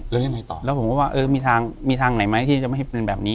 แล้วยังไงต่อแล้วผมก็ว่าเออมีทางมีทางไหนไหมที่จะไม่ให้เป็นแบบนี้